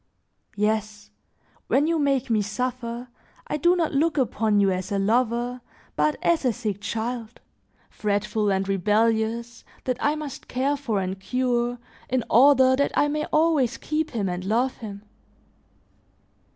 Yes, when you make me suffer, I do not look upon you as a lover, but as a sick child, fretful and rebellious, that I must care for and cure in order that I may always keep him and love him.